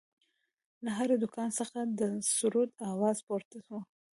له هر دوکان څخه د سروذ اواز پورته و.